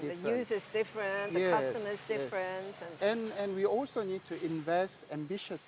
dan kami juga perlu berinvestasi dengan ambisius